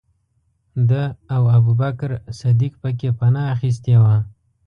ده او ابوبکر صدیق پکې پنا اخستې وه.